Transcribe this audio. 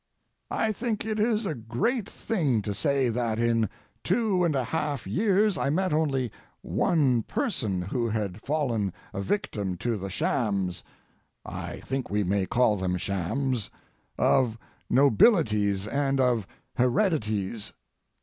I think it is a great thing to say that in two and a half years I met only one person who had fallen a victim to the shams—I think we may call them shams—of nobilities and of heredities.